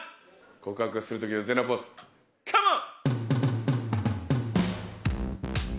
告白するときの全裸ポーズ、カモン！